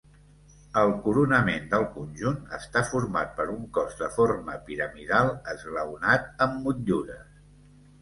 El coronament del conjunt està format per un cos de forma piramidal esglaonat amb motllures.